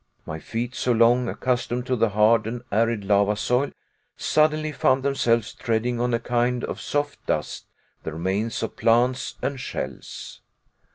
My feet, so long accustomed to the hard and arid lava soil, suddenly found themselves treading on a kind of soft dust, the remains of plants and shells.